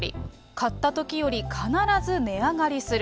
買ったときより必ず値上がりする。